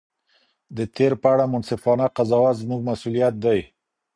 د تېر په اړه منصفانه قضاوت زموږ مسؤلیت دی.